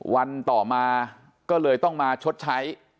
วันต่อมาก็เลยต้องมาชดใช้